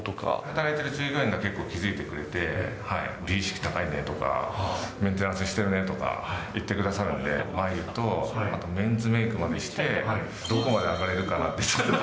働いている従業員が結構、気付いてくれて、美意識高いねとか、メンテナンスしているねとか言ってくださるんで、眉毛とメンズメークまでして、どこまで上がれるかな。